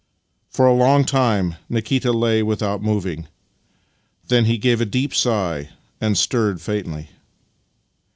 For a long time Nikita lay without moving. Then he gave a deep sigh, and stirred faintly.